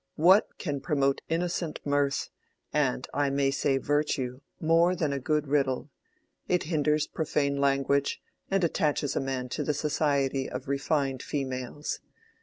What can promote innocent mirth, and I may say virtue, more than a good riddle?—it hinders profane language, and attaches a man to the society of refined females.